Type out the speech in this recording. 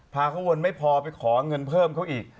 พาเขาวนไม่พอไปขอเงินเพิ่มเขาอีก